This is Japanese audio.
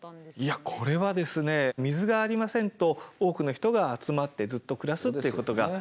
いやこれはですね水がありませんと多くの人が集まってずっと暮らすということができませんので。